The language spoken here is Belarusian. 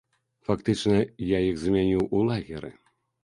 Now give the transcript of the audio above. Фактычна, я іх змяніў у лагеры.